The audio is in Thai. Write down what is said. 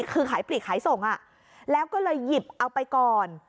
คือขายปลีกขายส่งแล้วก็เลยหยิบเอาไปก่อน